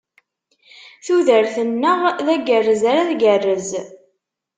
Tudert-nneɣ, d agerrez ara tgerrez.